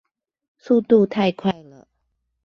速度太快了